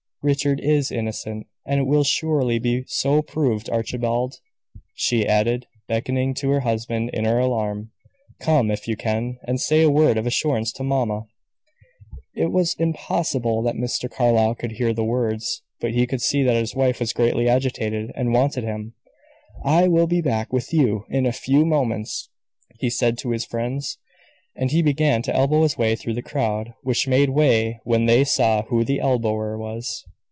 Richard is innocent, and it will surely be so proved. Archibald," she added, beckoning to her husband in her alarm, "come, if you can, and say a word of assurance to mamma!" It was impossible that Mr. Carlyle could hear the words, but he could see that his wife was greatly agitated, and wanted him. "I will be back with you in a few moments," he said to his friends, as he began to elbow his way through the crowd, which made way when they saw who the elbower was.